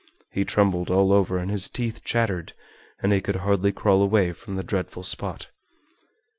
He trembled all over and his teeth chattered, and he could hardly crawl away from the dreadful spot.